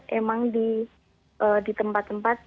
memang di tempat tempat